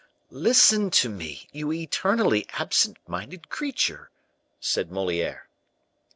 "Listen to me, you eternally absent minded creature," said Moliere.